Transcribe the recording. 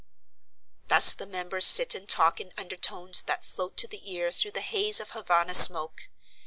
Thus the members sit and talk in undertones that float to the ear through the haze of Havana smoke.